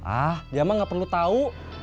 ah dia mah gak perlu tahu